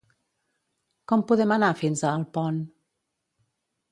Com podem anar fins a Alpont?